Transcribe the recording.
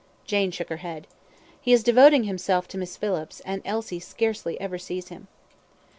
Jane shook her head. "He is devoting himself to Miss Phillips, and Elsie scarcely ever sees him."